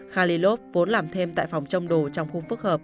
khalilov vốn làm thêm tại phòng trông đồ trong khu phức hợp